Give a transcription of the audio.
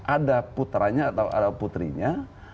ada putranya atau ada putrinya